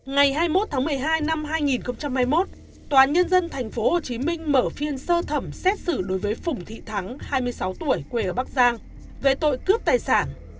ngày hai mươi một tháng một mươi hai năm hai nghìn hai mươi một tòa nhân dân tp hcm mở phiên sơ thẩm xét xử đối với phùng thị thắng hai mươi sáu tuổi quê ở bắc giang về tội cướp tài sản